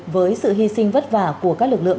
với sự hy sinh vất vả của các lực lượng